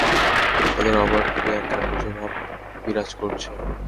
তাদের অবয়ব ঘিরে এক গাম্ভীর্যভাব বিরাজ করছে।